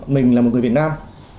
mình là một người việt nam